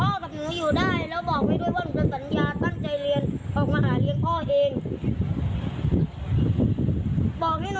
พ่อกับหนูอยู่ได้แล้วบอกให้ด้วยว่าหนูจะสัญญาตั้งใจเรียน